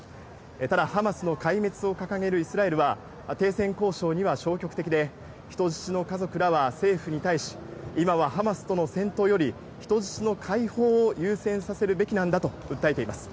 ただ、ハマスの壊滅を掲げるイスラエルは、停戦交渉には消極的で、人質の家族らは政府に対し、今はハマスとの戦闘より、人質の解放を優先させるべきなんだと訴えています。